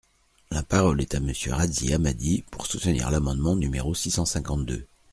La parole est à Monsieur Razzy Hammadi, pour soutenir l’amendement numéro six cent cinquante-deux.